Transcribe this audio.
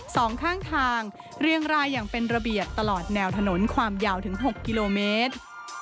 สองข้างทางเรียงรายอย่างเป็นระเบียบตลอดแนวถนนความยาวถึงหกกิโลเมตร